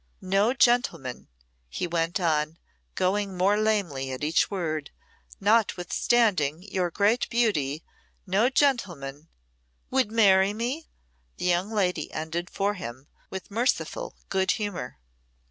"No gentleman," he went on, going more lamely at each word "notwithstanding your great beauty no gentleman " "Would marry me?" the young lady ended for him, with merciful good humour.